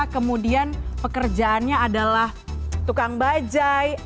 kemudian pekerjaannya adalah tukang bajai